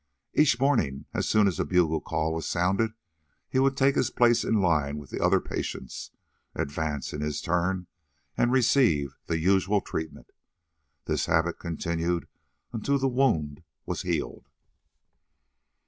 Each morning, as soon as the bugle call was sounded, he would take his place in line with the other patients, advance in his turn, and receive the usual treatment. This habit continued until the wound was healed.